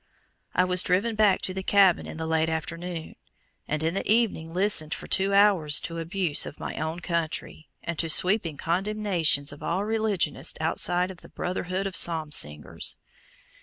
I was driven back to the cabin in the late afternoon, and in the evening listened for two hours to abuse of my own country, and to sweeping condemnations of all religionists outside of the brotherhood of "Psalm singers."